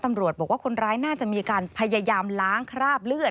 ตำรวจบอกว่าคนร้ายน่าจะมีการพยายามล้างคราบเลือด